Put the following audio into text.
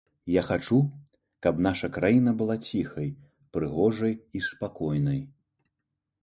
Я хачу, каб наша краіна была ціхай, прыгожай і спакойнай.